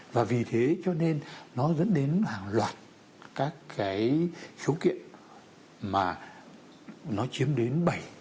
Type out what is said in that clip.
và vì thế cho nên nó dẫn đến hàng loạt các cái số kiện mà nó chiếm đến bảy